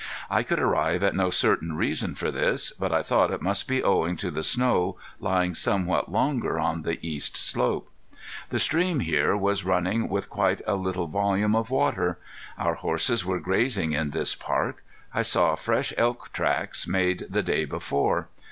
I could arrive at no certain reason for this, but I thought it must be owing to the snow lying somewhat longer on the east slope. The stream here was running with quite a little volume of water. Our horses were grazing in this park. I saw fresh elk tracks made the day before.